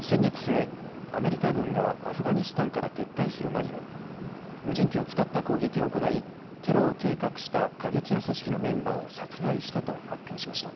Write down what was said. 先月末、アメリカ軍がアフガニスタンから撤退する間際無人機を使った攻撃を行いテロを計画した過激派組織のメンバーを殺害したと発表しました。